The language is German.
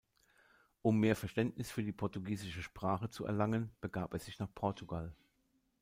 Um mehr Verständnis für die portugiesische Sprache zu erlangen, begab er sich nach Portugal.